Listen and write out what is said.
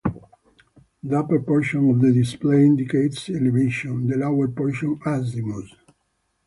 The upper portion of the display indicates elevation, the lower portion azimuth.